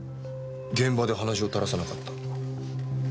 現場で鼻血を垂らさなかった。